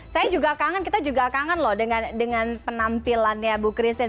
saya juga kangen kita juga kangen loh dengan penampilannya bu christine